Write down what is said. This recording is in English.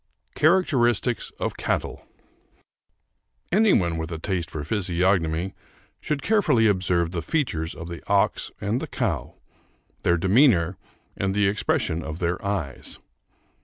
CHARACTERISTICS OF CATTLE Any one with a taste for physiognomy should carefully observe the features of the ox and the cow; their demeanor and the expression of their eyes.